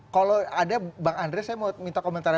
kalau ada bang andre saya mau minta komentar